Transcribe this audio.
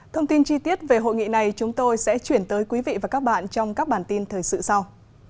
thông tin chi tiết về hội nghị này chúng tôi sẽ chuyển tới quý vị và các bạn trong các bản tin thời sự sau